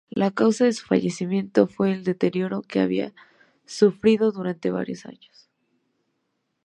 La causa de su fallecimiento fue el deterioro que había sufrido durante varios años.